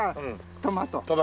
トマト。